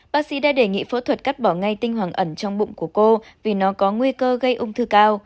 bác sĩ đã đề nghị phẫu thuật cắt bỏ ngay tinh hoàng ẩn trong bụng của cô vì nó có nguy cơ gây ung thư cao